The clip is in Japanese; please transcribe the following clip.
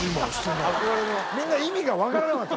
みんな意味が分からなかった。